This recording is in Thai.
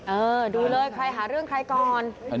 เออดูเลยใครหาเรื่องใครก่อน